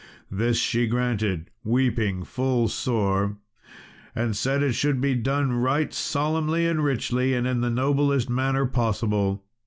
This she granted, weeping full sore, and said it should be done right solemnly and richly, and in the noblest manner possible.